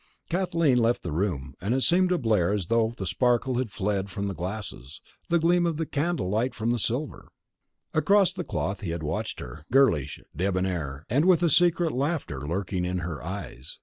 Kathleen left the room, and it seemed to Blair as though the sparkle had fled from the glasses, the gleam of candlelight from the silver. Across the cloth he had watched her girlish, debonair, and with a secret laughter lurking in her eyes.